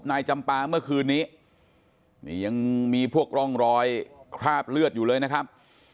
นายจำปาเมื่อคืนนี้นี่ยังมีพวกร่องรอยคราบเลือดอยู่เลยนะครับ